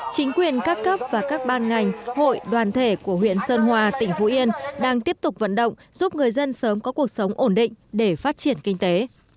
chính quyền các cấp và các ban ngành hội đoàn thể của huyện sơn hòa tỉnh phú yên đang tiếp tục vận động giúp người dân sớm có cuộc sống ổn định để phát triển kinh tế